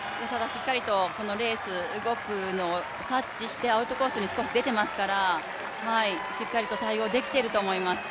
しっかりとこのレース動くのを察知してアウトコースに少し出てますからしっかりと対応できてると思います。